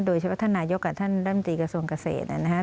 โดยเฉพาะท่านนายกกับท่านร่ำตีกระทรวงเกษตรนะครับ